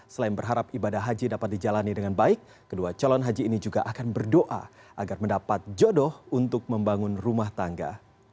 selain berharap ibadah haji dapat dijalani dengan baik kedua calon haji ini juga akan berdoa agar mendapat jodoh untuk membangun rumah tangga